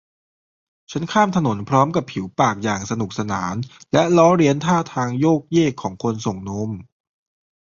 ฉันข้ามถนนพร้อมกับผิวปากอย่างสนุกสานและล้อเลียนท่าทางโยกเยกของคนส่งนม